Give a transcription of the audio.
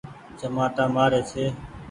چمآٽآ مآري ڇي۔